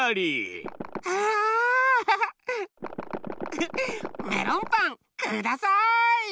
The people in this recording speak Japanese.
フフッメロンパンください！